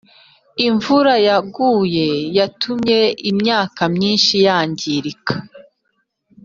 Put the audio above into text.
Imvura yaguye yatumye imyaka myinshi yangirika